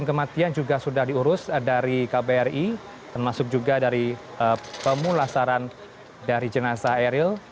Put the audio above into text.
kematian juga sudah diurus dari kbri termasuk juga dari pemulasaran dari jenazah eril